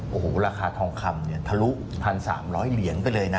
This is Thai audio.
โอ้โหราคาทองคำเนี่ยทะลุ๑๓๐๐เหรียญไปเลยนะ